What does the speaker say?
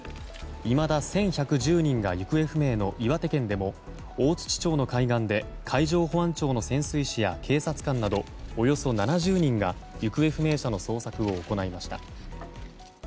いまだ１１１０人が行方不明の岩手県でも大槌町の海岸で海上保安庁の潜水士や警察官などおよそ７０人が行方不明者の捜索を行いました。